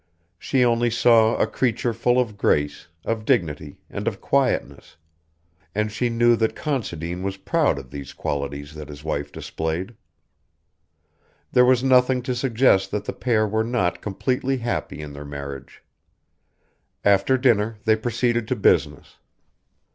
She only saw a creature full of grace, of dignity, and of quietness, and she knew that Considine was proud of these qualities that his wife displayed. There was nothing to suggest that the pair were not completely happy in their marriage. After dinner they proceeded to business.